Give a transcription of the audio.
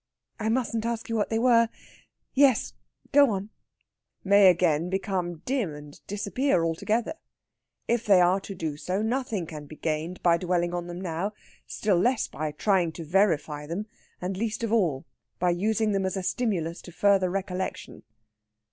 "I mustn't ask you what they were?... Yes, go on." "May again become dim and disappear altogether. If they are to do so, nothing can be gained by dwelling on them now still less by trying to verify them and least of all by using them as a stimulus to further recollection."